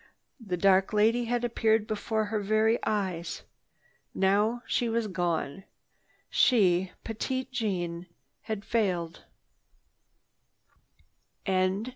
The dark lady had appeared before her very eyes. Now she was gone. She, Petite Jeanne, had failed.